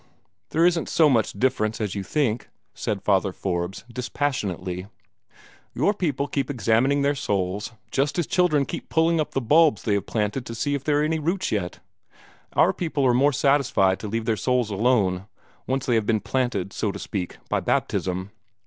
"There isn't so much difference as you think," said Father Forbes, dispassionately. "Your people keep examining their souls, just as children keep pulling up the bulbs they have planted to see are there any roots yet. Our people are more satisfied to leave their souls alone, once they have been planted, so to speak, by baptism.